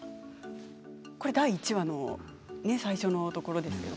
これは第１話の最初のところですよね。